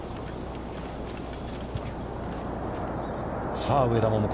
さあ、上田桃子。